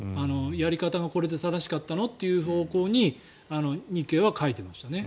やり方がこれで正しかったの？という方向に日経は書いていましたね。